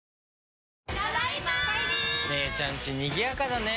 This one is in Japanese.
姉ちゃんちにぎやかだね。